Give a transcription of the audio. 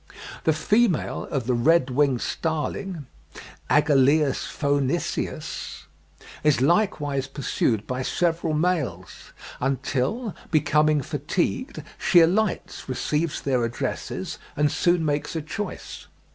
The female of the red winged starling (Agelaeus phoeniceus) is likewise pursued by several males, "until, becoming fatigued, she alights, receives their addresses, and soon makes a choice."